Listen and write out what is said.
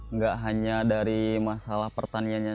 nggak hanya dari masalah pertaniannya